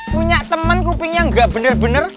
punya temen kupingnya gak bener bener